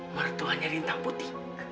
mertuanya lintang putih